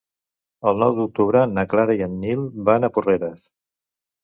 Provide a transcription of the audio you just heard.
El nou d'octubre na Clara i en Nil van a Porreres.